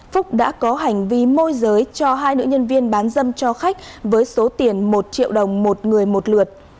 phúc đã có hành vi môi giới cho hai nữ nhân viên bán dâm cho khách với số tiền một triệu đồng một người một lượt